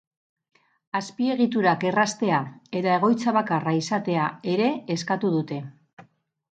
Azpiegiturak erraztea eta egoitza bakarra izatea ere eskatuko dute.